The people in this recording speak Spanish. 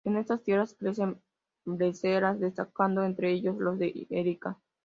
En estas tierras crecen brezales, destacando entre ellos los de "Erika".